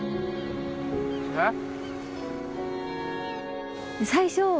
えっ？